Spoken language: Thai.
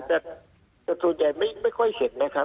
แต่ส่วนใหญ่ไม่ค่อยเห็นนะครับ